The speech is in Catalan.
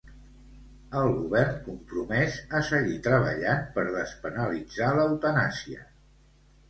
El govern, compromès a seguir treballant per despenalitzar l'eutanàsia.